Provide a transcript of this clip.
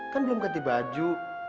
kan belum keti baju